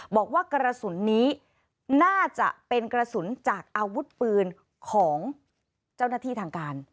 บอกว่ากระสุนนี้น่าจะเป็นกระสุนจากอาวุธปืนของเจ้าหน้าที่ทางการ